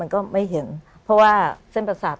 คุณซูซี่